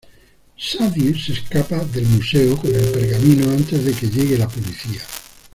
Sadie se escapa del museo con el pergamino antes de que llegue la policía.